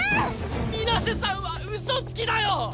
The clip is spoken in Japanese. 水瀬さんはうそつきだよ！